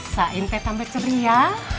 sain teh tambah ceria